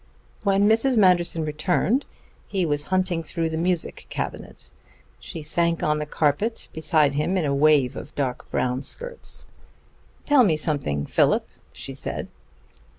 When Mrs. Manderson returned, he was hunting through the music cabinet. She sank on the carpet beside him in a wave of dark brown skirts. "Tell me something, Philip," she said.